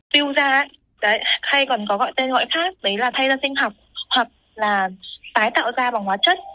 piu da hay còn có gọi tên gọi khác đấy là thay ra sinh học hoặc là tái tạo da bằng hóa chất